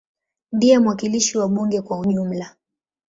Ndiye mwakilishi wa bunge kwa ujumla.